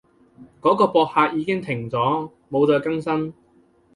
嗰個博客已經停咗，冇再更新